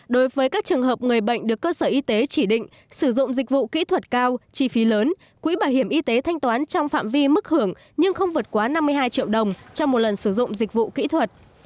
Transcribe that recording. đối với các trường hợp người bệnh được cơ sở y tế chỉ định sử dụng dịch vụ kỹ thuật cao chi phí lớn quỹ bảo hiểm y tế thanh toán trong phạm vi mức hưởng nhưng không vượt quá năm mươi hai triệu đồng trong một lần sử dụng dịch vụ kỹ thuật